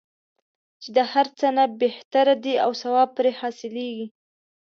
چې د هر څه نه بهتره دی او ثواب پرې حاصلیږي.